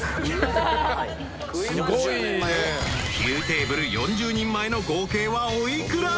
［９テーブル４０人前の合計はお幾ら？］